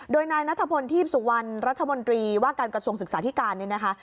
โดยนายนัทพลทีพสุวรรณรัฐมนตรีว่าการกระทรวงศึกษาธิการเนี่ยนะคะ